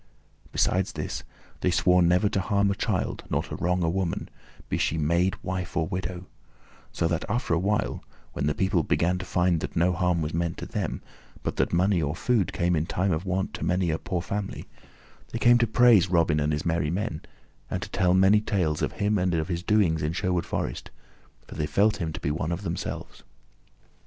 Besides this, they swore never to harm a child nor to wrong a woman, be she maid, wife, or widow; so that, after a while, when the people began to find that no harm was meant to them, but that money or food came in time of want to many a poor family, they came to praise Robin and his merry men, and to tell many tales of him and of his doings in Sherwood Forest, for they felt him to be one of themselves.